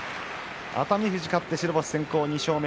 熱海富士、勝って白星先行２勝目。